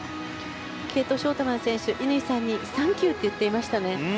ケイト・ショートマン選手乾さんにサンキューと言っていましたね。